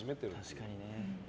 確かにね。